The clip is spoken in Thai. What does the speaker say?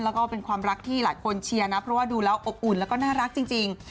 แล้วก็เป็นความรักที่หลายคนเชียร์นะเพราะว่าดูแล้วอบอุ่นแล้วก็น่ารักจริง